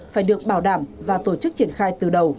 phải được bảo đảm và tổ chức triển khai từ đầu